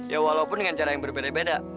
ya walaupun dengan cara yang berbeda beda